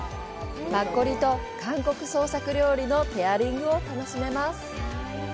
マッコリと韓国創作料理のペアリングを楽しめます。